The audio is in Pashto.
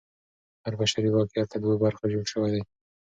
هر بشري واقعیت له دوو برخو جوړ سوی دی.